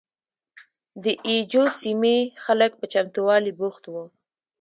د اي جو سیمې خلک په چمتوالي بوخت وو.